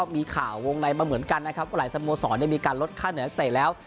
มีข่าววงลัยมาเหมือนกันหลายสโมสรได้มีการลดค่าเหนือนักเตะแล้ว